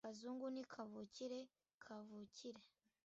Kazungu ni kavukire kavukire.